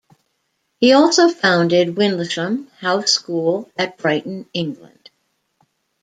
He also founded Windlesham House School at Brighton, England.